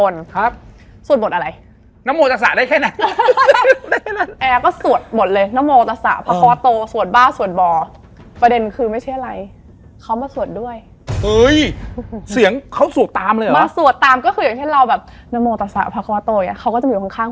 แล้วพูดขึ้นมาแบบมันแปลก